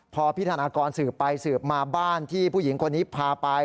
พอพี่ธนากรสืบไปสืบมาบ้านที่ผู้หญิงคนนี้พาไป